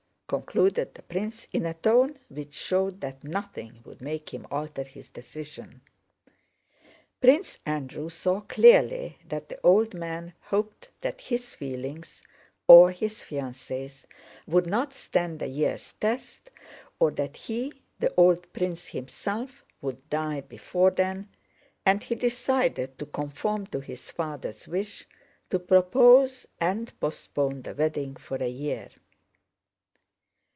concluded the prince, in a tone which showed that nothing would make him alter his decision. Prince Andrew saw clearly that the old man hoped that his feelings, or his fiancée's, would not stand a year's test, or that he (the old prince himself) would die before then, and he decided to conform to his father's wish—to propose, and postpone the wedding for a year.